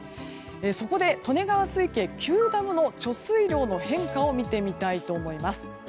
そこで利根川水系９ダムの貯水量の変化を見ていきたいと思います。